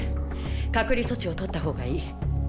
隔離措置をとった方がいい。